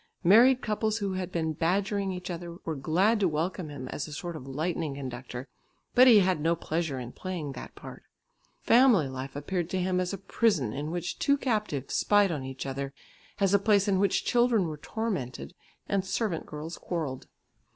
Married couples who had been badgering each other, were glad to welcome him as a sort of lightning conductor, but he had no pleasure in playing that part. Family life appeared to him as a prison in which two captives spied on each other, as a place in which children were tormented, and servant girls quarrelled.